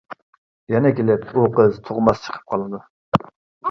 يەنە كېلىپ ئۇ قىز تۇغماس چىقىپ قالىدۇ.